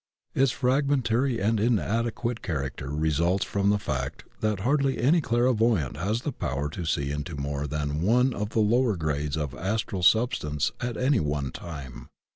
Its fragmentary and inadequate character results from the fact that hardly any clairvoyant has the power to see into more than one of the lower grades of Astral sub stance at any one time.